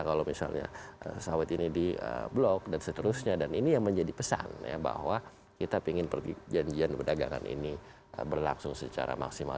kalau misalnya sawit ini di blok dan seterusnya dan ini yang menjadi pesan ya bahwa kita ingin perjanjian perdagangan ini berlangsung secara maksimal